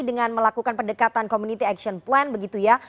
dengan melakukan pendekatan community action plan begitu ya